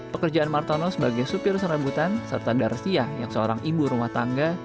pekerjaan martono sebagai supir serabutan serta darsia yang seorang ibu rumah tangga